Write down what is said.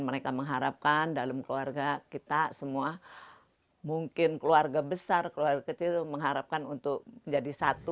mereka mengharapkan dalam keluarga kita semua mungkin keluarga besar keluarga kecil mengharapkan untuk menjadi satu